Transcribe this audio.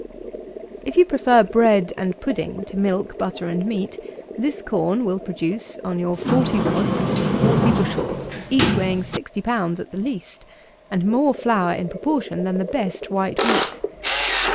IF you prefer bread and pudding to milk, butter, and meat, this corn will produce, on your forty rods, forty bushels, each weighing 60 lbs. at the least; and more flour, in proportion, than the best white wheat.